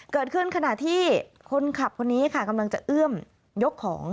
เกิดขึ้นขณะที่คนขับกำลังจะเอื้อมยกของ